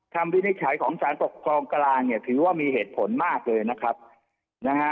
วินิจฉัยของสารปกครองกลางเนี่ยถือว่ามีเหตุผลมากเลยนะครับนะฮะ